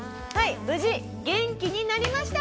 無事元気になりました。